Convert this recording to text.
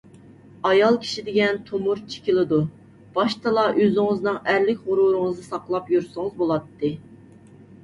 ئايال كىشى دېگەن تومۇرچى كېلىدۇ. باشتىلا ئۆزىڭىزنىڭ ئەرلىك غۇرۇرىڭىزنى ساقلاپ يۈرسىڭىز بولاتتى.